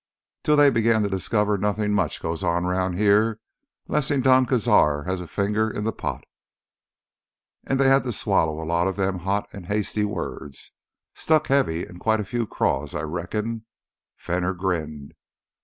"Till they began to discover nothin' much goes on round here lessen Don Cazar has a finger in th' pot. An' they had to swaller a lotta them hot an' hasty words—stuck heavy in quite a few craws, I reckon." Fenner grinned.